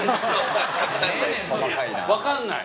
わかんない？